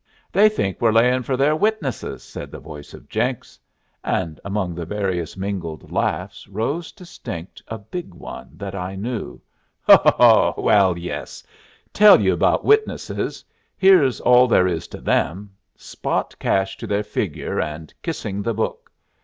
"They think we're laying for their witnesses," said the voice of Jenks. And among the various mingled laughs rose distinct a big one that I knew. "Oh, ho, ho! Well, yes. Tell you about witnesses. Here's all there is to them: spot cash to their figure, and kissing the Book.